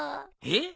えっ？